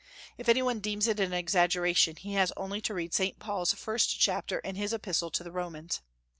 If any one deems it an exaggeration, he has only to read Saint Paul's first chapter in his epistle to the Romans.